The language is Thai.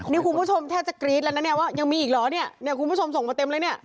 นี่คุณผู้ชมแทบจะกรี๊ดแล้วนะเนี่ยว่ายังมีอีกเหรอเนี่ยเนี่ยคุณผู้ชมส่งมาเต็มเลยเนี่ย